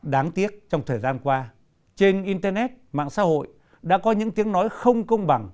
đáng tiếc trong thời gian qua trên internet mạng xã hội đã có những tiếng nói không công bằng